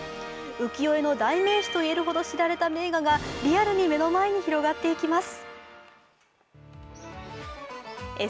浮世絵の代名詞といわれるほど知られた名画がリアルに目の前に広がっていきます。